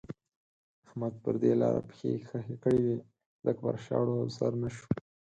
احمد پر دې لاره پښې خښې کړې وې ځکه پر شاړو سر نه شو.